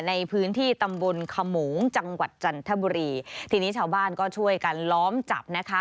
ในพื้นที่ตำบลขโมงจังหวัดจันทบุรีทีนี้ชาวบ้านก็ช่วยกันล้อมจับนะคะ